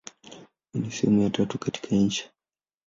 Hii ni sehemu ya tatu katika insha.